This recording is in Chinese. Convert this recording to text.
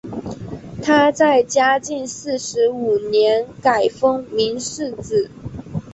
他在嘉靖四十五年改封岷世子。